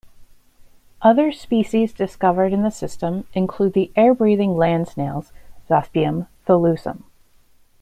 Other species discovered in the system, include the air-breathing land snails "Zospeum tholussum".